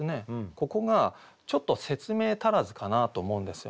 ここがちょっと説明足らずかなと思うんですよ。